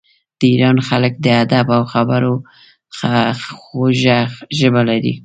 د ایران خلک د ادب او خبرو خوږه ژبه لري.